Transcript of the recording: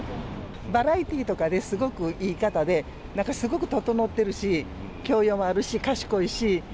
バラエティーとかですごくいい方で、なんかすごく整ってるし、教養もあるし、賢いし。